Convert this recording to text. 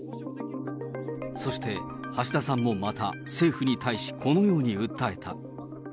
そして、橋田さんもまた、政府に対し、このように訴えた。